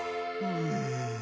うん？